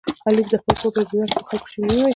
علي د خپل کور په ابتدا کې په خلکو شیریني ووېشله.